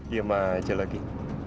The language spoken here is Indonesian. diam aja lagi